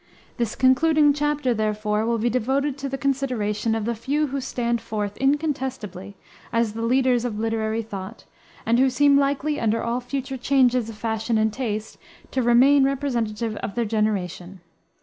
This concluding chapter, therefore, will be devoted to the consideration of the few who stand forth, incontestably, as the leaders of literary thought, and who seem likely, under all future changes of fashion and taste, to remain representative of their generation.